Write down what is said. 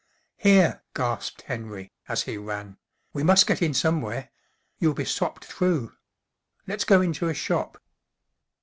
" Here/' gasped Henry, as he ran, 11 we must get in somewhere; you'll be sopped through. Lets go into a shop.'